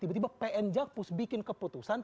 tiba tiba pn jakpus bikin keputusan